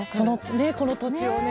この土地をね。